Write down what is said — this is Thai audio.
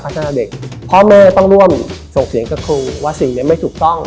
หน้าเด็กพ่อแม่ต้องร่วมส่งเสียงกับครูว่าสิ่งนี้ไม่ถูกต้อง